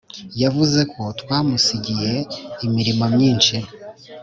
yavuze ko twamusigiye imirimo myinshi